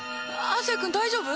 亜生君大丈夫？